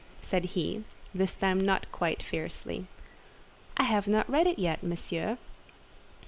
said he, this time not quite fiercely. "I have not yet read it, Monsieur."